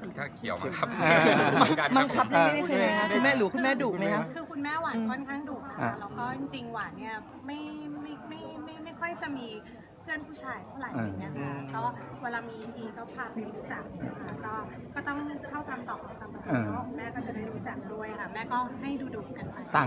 จริงหวานเนี่ยไม่ค่อยจะมีเพื่อนผู้ชายเท่าไร